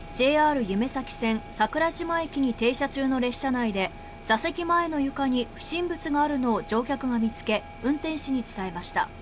ＪＲゆめ咲線桜島駅に停車中の列車内で座席前の床に不審物があるのを乗客が見つけ運転士に伝えました。